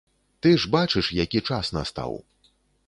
Ты ж бачыш, які час настаў.